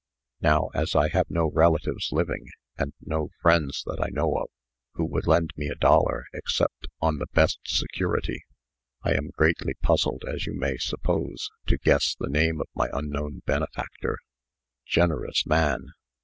Now, as I have no relatives living, and no friends that I know of, who would lend me a dollar except on the best security, I am greatly puzzled, as you may suppose, to guess the name of my unknown benefactor. Generous man!